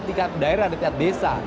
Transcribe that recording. dikat daerah dan tiap desa